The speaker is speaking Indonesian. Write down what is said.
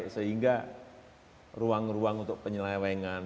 sehingga ruang ruang untuk penyelewengan